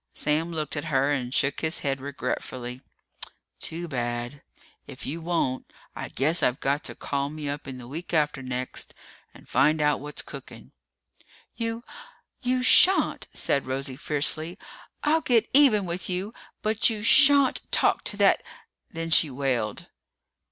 Sam looked at her and shook his head regretfully. "Too bad. If you won't, I guess I've got to call me up in the week after next and find out what's cooking." "You you shan't!" said Rosie fiercely. "I'll get even with you! But you shan't talk to that " Then she wailed.